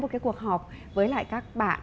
cái cuộc họp với lại các bạn